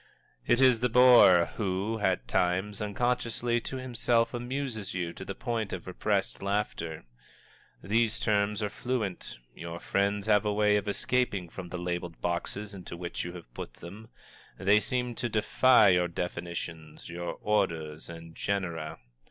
It is the bore who, at times, unconsciously to himself, amuses you to the point of repressed laughter. These terms are fluent your friends have a way of escaping from the labeled boxes into which you have put them; they seem to defy your definitions, your Orders and Genera.